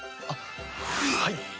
あっはい。